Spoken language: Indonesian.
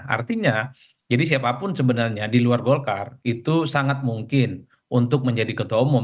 artinya jadi siapapun sebenarnya di luar golkar itu sangat mungkin untuk menjadi ketua umum